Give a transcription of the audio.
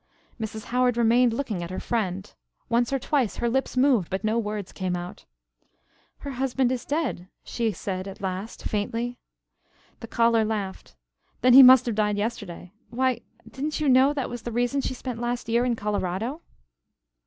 Mrs. Howard remained looking at her friend. Once or twice her lips moved but no words came. "Her husband is dead," she said at last, faintly. The caller laughed. "Then he must have died yesterday. Why, didn't you know that was the reason she spent last year in Colorado?"